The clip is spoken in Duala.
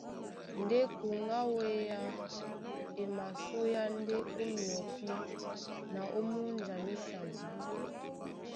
Ndé kuŋgá á wéá e masúéá ndé ó myɔpí na ó múnja mísadi.